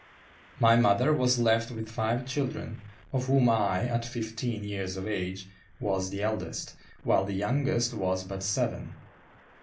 My mother was left with five children, of whom I, at fifteen years of age, was the eldest, while the youngest was but seven.